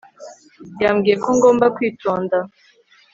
yambwiye ko ngomba kwitonda